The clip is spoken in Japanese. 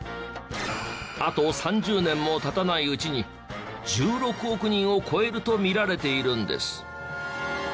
あと３０年も経たないうちに１６億人を超えるとみられているんです。